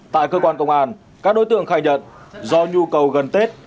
tại cơ quan công an các đối tượng khai nhận do nhu cầu gần tết